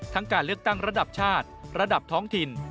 การเลือกตั้งระดับชาติระดับท้องถิ่น